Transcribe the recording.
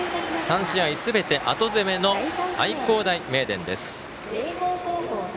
３試合すべて後攻めの愛工大名電です。